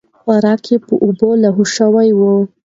خواري یې په اوبو لاهو شوې وه.